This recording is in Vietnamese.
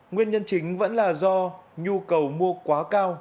nguyên nhân chính vẫn là do nhu cầu mua quá cao